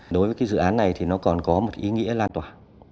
đối với dự án này nó còn có một ý nghĩa lan tỏa